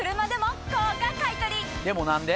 でも何で？